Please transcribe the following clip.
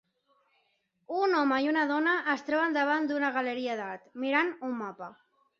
Un home i una dona es troben davant d'una galeria d'art, mirant un mapa.